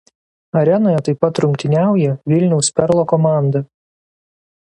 Arenoje taip pat rungtyniauja Vilniaus „Perlo“ komanda.